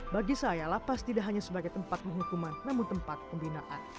bagi saya lapas tidak hanya sebagai tempat penghukuman namun tempat pembinaan